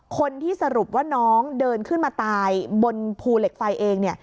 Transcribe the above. คนที่สรุปว่าน้องเดินขึ้นมาตายบนภูเหล็กไฟเอง